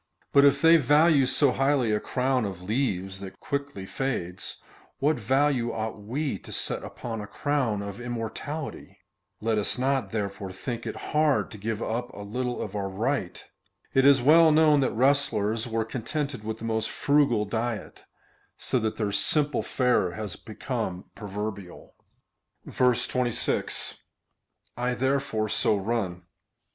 But if they value so highly a crown of leaves that quickly fades, what value ought we to set upon a crown of immortality ? Let us not, therefore, think it hard to give up a little of our right. It is well known that wrestlers were contented Avith the most frugal diet, so that their simple fare has become proverbial. 26. / therefore so run.